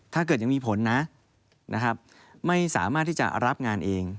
ถ้าเกิดยังมีผลนะนะครับไม่สามารถที่จะรับงานเอง